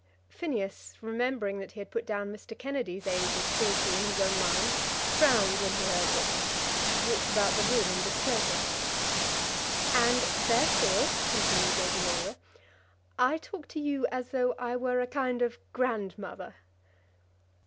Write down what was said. Phineas, remembering that he had put down Mr. Kennedy's age as forty in his own mind, frowned when he heard this, and walked about the room in displeasure. "And therefore," continued Lady Laura, "I talk to you as though I were a kind of grandmother."